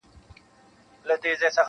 • شمع هر څه ویني راز په زړه لري -